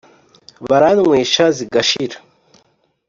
Baranywesha zigashira